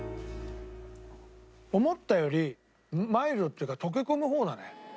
思ったよりマイルドっていうか溶け込む方だね。